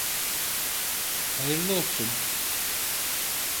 Hayırlı olsun.